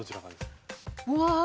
うわ。